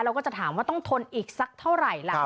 ก็จะถามว่าต้องทนอีกสักเท่าไหร่ล่ะ